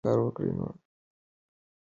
که ښځه کار وکړي، نو د کورنۍ مالي ثبات زیاتېږي.